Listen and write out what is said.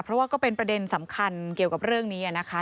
เพราะว่าก็เป็นประเด็นสำคัญเกี่ยวกับเรื่องนี้นะคะ